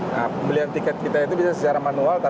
nah pembelian tiket kita itu bisa secara manual